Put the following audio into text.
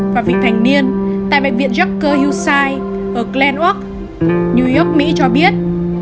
và vị thành niên tại bệnh viện joker hillside ở glenwalk new york mỹ cho biết